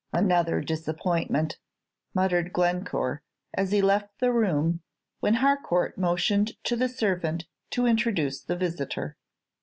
"Another disappointment!" muttered Glencore, as he left the room, when Harcourt motioned to the servant to introduce the visitor.